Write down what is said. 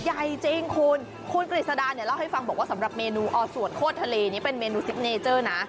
ใหญ่จริงคุณคุณกฤษดาเนี่ยเล่าให้ฟังบอกว่าสำหรับเมนูอสวดโคตรทะเลนี้เป็นเมนูซิกเนเจอร์นะ